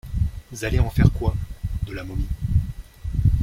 Z’allez en faire quoi, de la momie ?